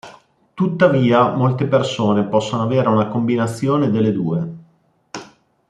Tuttavia, molte persone possono avere una combinazione delle due.